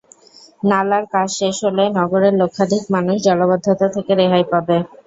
নালার কাজ শেষ হলে নগরের লক্ষাধিক মানুষ জলাবদ্ধতা থেকে রেহাই পাবে।